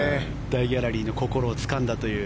大ギャラリーの心をつかんだという。